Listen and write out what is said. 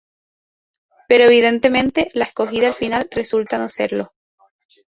Pero, evidentemente, la escogida, al final resulta no serlo.